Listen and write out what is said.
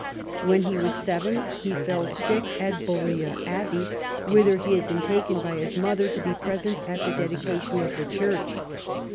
AVhen he was seven he fell sick at Beaulieu Abbey, whither he had been taken by his mother to be present at the dedication of the church.